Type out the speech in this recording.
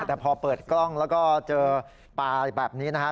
แต่พอเปิดกล้องแล้วก็เจอปลาแบบนี้นะฮะ